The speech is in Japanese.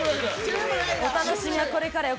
お楽しみはこれからよ。